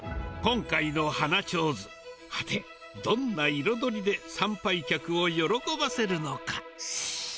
今回の花ちょうず、はて、どんな色どりで参拝客を喜ばせるのか。